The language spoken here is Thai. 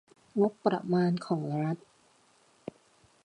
งบประมาณของรัฐ